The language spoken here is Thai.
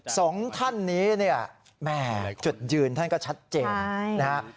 สองท่านนี้เนี่ยแม่จุดยืนท่านก็ชัดเจนนะฮะ